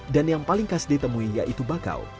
dan yang paling khas ditemui yaitu bakau